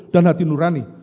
dan hati nurani